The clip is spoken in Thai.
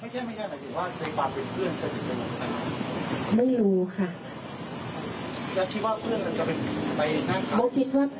ไม่ใช่ไม่ใช่หมายถึงว่าเคยปรับเป็นเพื่อนเสร็จหรือเปล่า